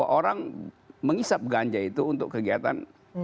orang mengisap ganja itu untuk kegiatan